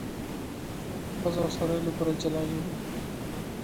بوټونه د ښځو او سړیو لپاره جلا جوړېږي.